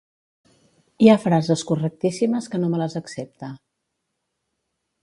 hi ha frases correctíssimes que no me les accepta